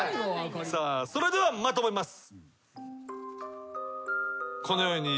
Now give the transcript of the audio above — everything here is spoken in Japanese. それではまとめます。